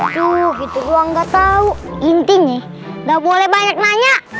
itu gitu doang gak tau intinya gak boleh banyak nanya